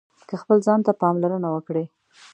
که خپل ځان ته پاملرنه وکړئ